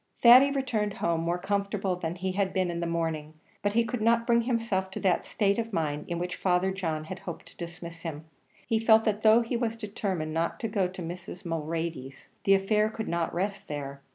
Thady returned home more comfortable than he had been in the morning, but he could not bring himself to that state of mind in which Father John had hoped to dismiss him. He felt, that though he was determined not to go to Mrs. Mulready's, the affair could not rest there.